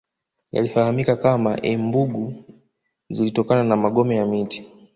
Yalifahamika kama embugu zilitokana na magome ya mti